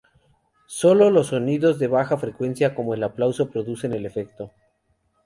Solo los sonidos de baja frecuencia como el aplauso producen el efecto.